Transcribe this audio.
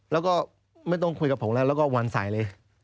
แล้วก็ไม่ต้องคุยกับผมแล้วแล้วก็วันใส่เลย